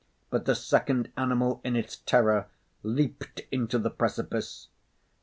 But the second animal, in its terror, leaped into the precipice.